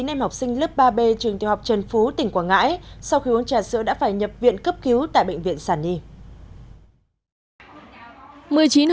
một mươi chín em học sinh lớp ba b trường tiểu học trần phú tỉnh quảng ngãi sau khi uống trà sữa đã phải nhập viện cấp cứu tại bệnh viện sản y